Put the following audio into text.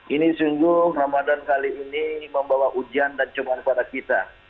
ini sungguh ramadan kali ini membawa ujian dan cuma pada kita